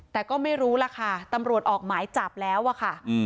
แต่ก็ไม่รู้ล่ะค่ะตำรวจออกหมายจับแล้วอะค่ะ